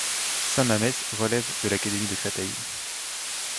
Saint-Mammès relève de l'académie de Créteil.